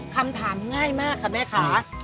คำถามง่ายมากค่ะแม่ค่ะ